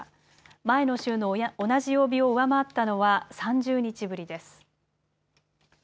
前の週の同じ曜日を上回ったのは３０日ぶりです。